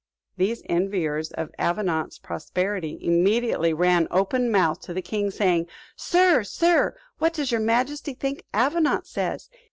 These enviers of Avenant's prosperity immediately ran open mouthed to the king, saying, "Sir sir, what does your majesty think Avenant says?